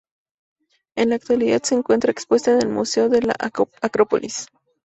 En la actualidad se encuentra expuesta en el Museo de la Acrópolis.